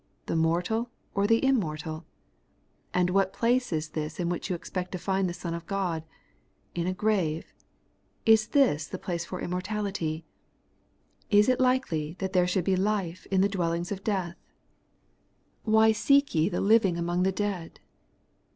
The mortal or the immortal ? And what place is this in which you expect to find the Son of God ? In a grave ? Is this the place for immortality ? Is it likely that there should be life in the dwellings of 132 The Everlasting RiglUeousTiess. death ? Why seek ye the living among the dead